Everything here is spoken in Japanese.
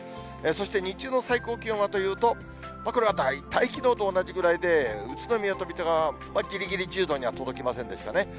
そして日中の最高気温はというと、これは大体きのうと同じくらいで、宇都宮と水戸がぎりぎり１０度には届きませんでしたね。